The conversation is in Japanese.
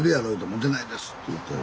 「モテないです」って言うてたよ。